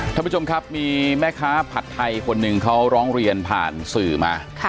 ท่านผู้ชมครับมีแม่ค้าผัดไทยคนหนึ่งเขาร้องเรียนผ่านสื่อมา